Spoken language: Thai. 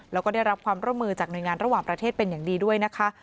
แล้วก็ได้รับความร่วมมือจากหน่วยงานระหว่างประเทศเป็นอย่างดีด้วยนะคะ